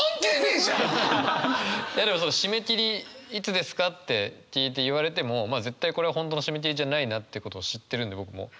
いやでも「締め切りいつですか？」って聞いて言われてもまあ絶対これは本当の締め切りじゃないなってことを知ってるんで僕も。